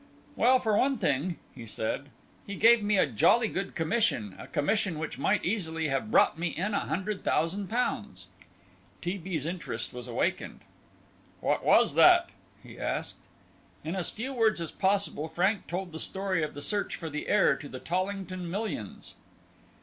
"Well, for one thing," he said, "he gave me a jolly good commission, a commission which might easily have brought me in a hundred thousand pounds." T. B.'s interest was awakened. "What was that?" he asked. In as few words as possible Frank told the story of the search for the heir to the Tollington millions.